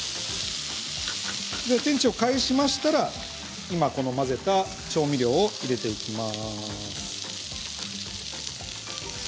天地を返しましたら混ぜた調味料を入れていきます。